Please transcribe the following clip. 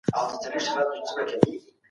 موږ به په نږدې وخت کې دغه ستونزه حل کړو.